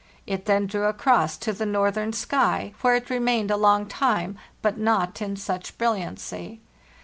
It then drew across to the northern sky, where it remained a long time, but not in such brilliancy.